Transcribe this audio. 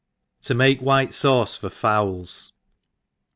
To make White SAVci^Jor Fowls.